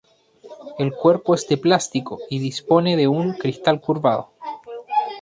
El cuerpo es de plástico y dispone de un cristal curvado.